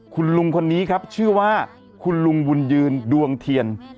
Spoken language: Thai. คุณลุงคนนี้ครับชื่อว่าคุณลุงบุญยืนดวงเทียน